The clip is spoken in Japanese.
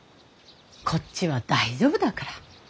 こっちは大丈夫だから。